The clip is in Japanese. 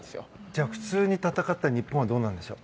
じゃあ、普通に戦ったら日本はどうなるんでしょう。